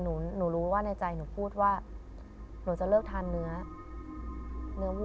หนูรู้ว่าในใจหนูพูดว่าหนูจะเลิกทานเนื้อเนื้อวู้